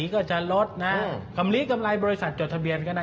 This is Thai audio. ของอเมริกาแล้วก็เลยทำให้